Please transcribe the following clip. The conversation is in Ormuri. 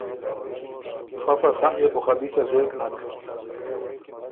فۀ په سَۀ نيې بو خه بی څۀ زېک نک۔